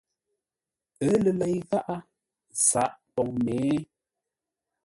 Ə́ lə lei gháʼá sǎʼ pou mě?